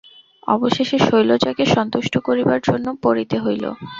অবশেষে শৈলজাকে সন্তুষ্ট করিবার জন্য পরিতে হইল।